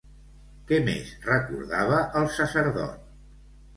Què més recordava el sacerdot?